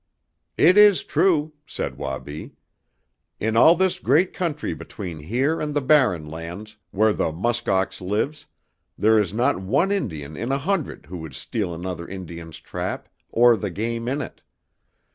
"It is true," said Wabi. "In all this great country between here and the Barren Lands, where the musk ox lives, there is not one Indian in a hundred who would steal another Indian's trap, or the game in it.